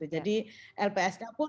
jadi lpsk pun